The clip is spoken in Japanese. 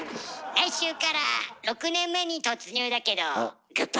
来週から６年目に突入だけどグッバイ！